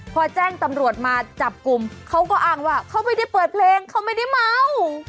พอแจ้งตำรวจมาจับกลุ่มเขาก็อ้างว่าเขาไม่ได้เปิดเพลงเขาไม่ได้เมา